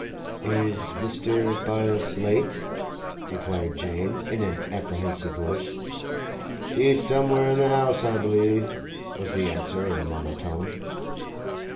'Is Mr. Byass late?' inquired Jane, in an apprehensive voice. 'He's somewhere in the house, I believe,' was the answer, in monotone.